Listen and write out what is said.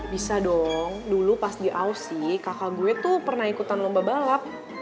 bisa dong dulu pas di ausi kakak gue tuh pernah ikutan lomba balap